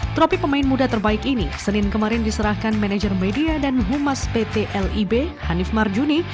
tropi pemain muda terbaik ini senin kemarin diserahkan manajer media dan humas pt lib hanif marjuni